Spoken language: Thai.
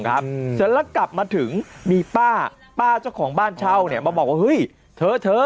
เสร็จแล้วกลับมาถึงมีป้าป้าเจ้าของบ้านเช่าเนี่ยมาบอกว่าเฮ้ยเธอเธอ